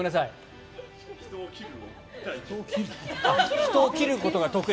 人を切ることが得意。